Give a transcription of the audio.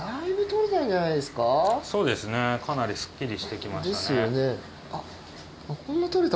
そうですねかなりすっきりして来ましたね。